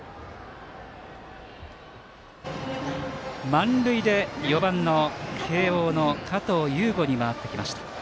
満塁で４番の慶応の加藤右悟に回ってきました。